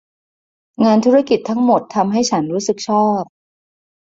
งานธุรกิจทั้งหมดทำให้ฉันรู้สึกชอบ